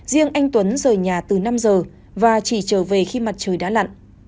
riêng anh tuấn rời nhà từ năm giờ và chỉ trở về khi mặt trời đã lặn